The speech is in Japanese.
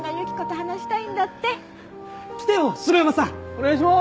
お願いしまーす！